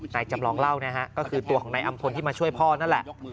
จำลองเล่านะฮะก็คือตัวของนายอำพลที่มาช่วยพ่อนั่นแหละ